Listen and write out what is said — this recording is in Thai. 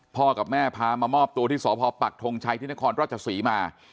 กับแม่พามามอบตัวที่สพปักทงชัยที่นครราชศรีมา